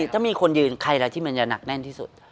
ถ้ามีคนยืนใครแล้วที่มันจะหนักแน่นที่สุด